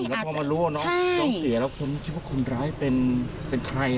แล้วพอมารู้ว่าน้องเสียแล้วคนที่คิดว่าคนร้ายเป็นใคร